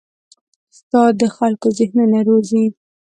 استاد د خلکو ذهنونه روزي.